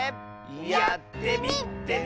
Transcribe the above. やってみてね！